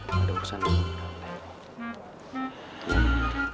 ada urusan di rumah